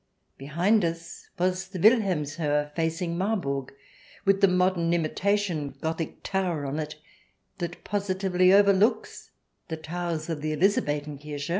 Behind us was the Wilhelms hOhe, facing Marburg with the modern imitation Gothic tower on it that positively overlooks the towers of the Elizabethen Kirche.